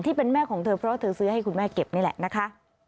ที่เป็นแม่ของเธอเพราะว่าเธอซื้อให้คุณแม่เก็บนี่แหละนะคะ